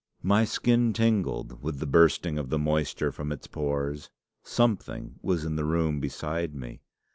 "My skin tingled with the bursting of the moisture from its pores. Something was in the room beside me.